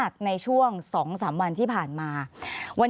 ขอบคุณครับ